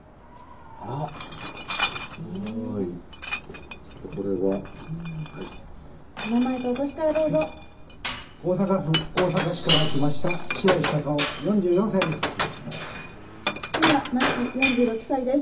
あらっすごいちょっとこれはお名前とお歳からどうぞ大阪府大阪市から来ました白石孝夫４４歳です妻・麻紀４６歳です